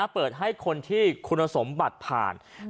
เปิดให้คนที่คุณสมบัติผ่าน